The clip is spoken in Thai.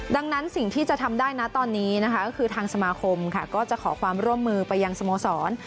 ดังนั้นสิ่งที่จะทำได้นะตอนนี้นะคะก็คือทางสมาคมค่ะก็จะขอความร่วมมือไปยังสโมสร